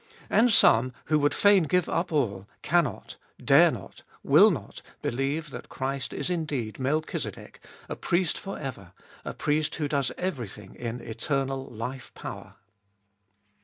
And some, who would fain give up all, cannot, dare not, will not, believe that Christ is indeed Melchizedek, a Priest for ever, a Priest who does everything in eternal life power.